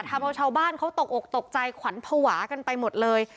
ทำเอาชาวบ้านเขาตกอกตกใจขวัญภาวะกันไปหมดเลย